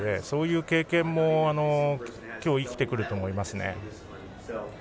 そういう経験も今日、生きてくると思いますね。